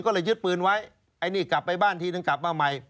ก็เลยยึดปืนไว้ไอ้นี่กลับไปบ้านทีนึงกลับมาใหม่